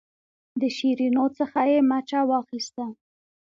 د شیرینو څخه یې مچه واخیسته.